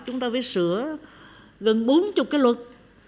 chúng ta phải sửa gần bốn mươi cái luật